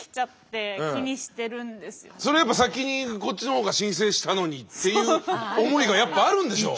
それは先にこっちの方が申請したのにっていう思いがやっぱあるんでしょう。